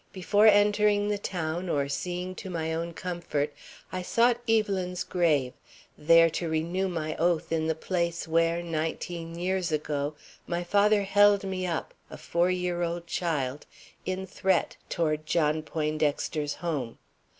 Before entering the town or seeing to my own comfort, I sought Evelyn's grave, there to renew my oath in the place where, nineteen years ago, my father held me up, a four year old child, in threat, toward John Poindexter's home.